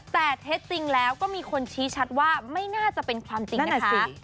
แต่เท็จจริงแล้วก็มีคนชี้ชัดว่าไม่น่าจะเป็นความจริงนะคะ